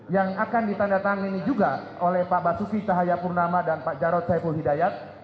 yang akan ditandatangani juga oleh pak basuki cahayapurnama dan pak jarod saiful hidayat